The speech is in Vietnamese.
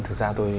thực ra tôi